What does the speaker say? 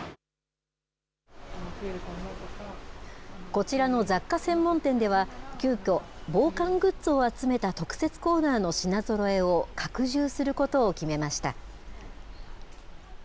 こちらの雑貨専門店では、急きょ、防寒グッズを集めた特設コーナーの品ぞろえを拡充することを決めました。